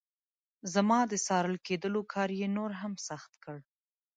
زما د څارل کېدلو کار یې نور هم سخت کړ.